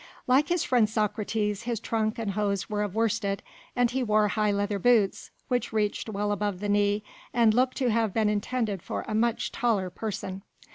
Like his friend Socrates, his trunk and hose were of worsted, and he wore high leather boots which reached well above the knee and looked to have been intended for a much taller person.